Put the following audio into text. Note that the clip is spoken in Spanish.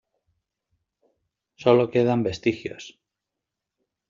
Sólo quedan vestigios.